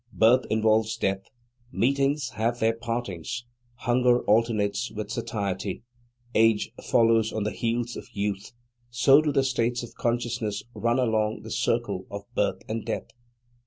Birth involves death. Meetings have their partings. Hunger alternates with satiety. Age follows on the heels of youth. So do the states of consciousness run along the circle of birth and death.